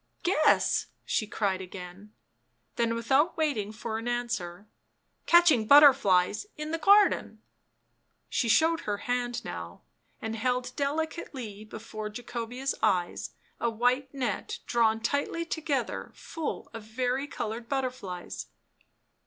" Guess !" she cried again; then, without waiting for an answer —" Catching butterflies in the garden." She showed her hand now, and held delicately before Jacobea's eyes a white net drawn tightly together full of vari coloured butterflies.